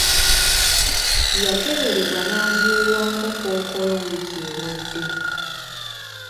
Yakeberebwa n'azuulwamu Kkookolo wiiki ewedde.